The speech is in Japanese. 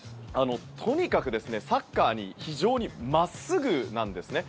とにかくサッカーに非常に真っすぐなんですね。